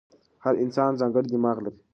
هر انسان ځانګړی دماغ لري.